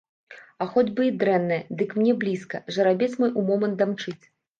А хоць бы і дрэнная, дык мне блізка, жарабец мой умомант дамчыць.